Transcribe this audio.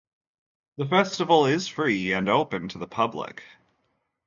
The festival is free and open to the public.